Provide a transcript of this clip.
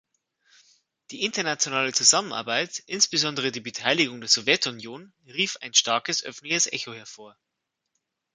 Die internationale Zusammenarbeit, insbesondere die Beteiligung der Sowjetunion, rief ein starkes öffentliches Echo hervor.